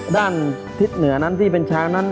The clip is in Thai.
ด้านทิศเหนือนั้นที่เป็นช้างนั้น